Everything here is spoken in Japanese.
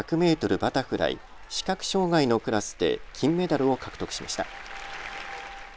バタフライ視覚障害のクラスで金メダルを獲得しました。